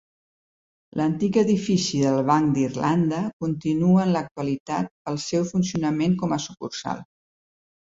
L'antic edifici del Banc d'Irlanda continua en l'actualitat el seu funcionament com a sucursal.